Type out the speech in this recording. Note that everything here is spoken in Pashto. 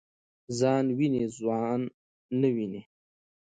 ځان وینی خوان نه ويني .